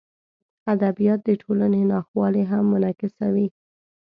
ادبیات د ټولنې ناخوالې هم منعکسوي.